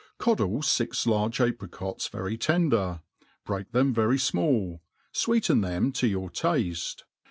CODDLE fix 'large apricots irtry tender, break them very fmall, fweeten them to your tafte.